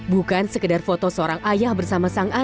bukan sekedar foto seorang ayah bersama sang ayah